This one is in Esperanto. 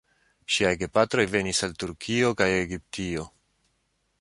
Ŝiaj gepatroj venis el Turkio kaj Egiptio.